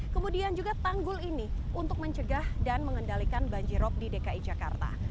kemudian juga tanggul ini untuk mencegah dan mengendalikan banjirop di dki jakarta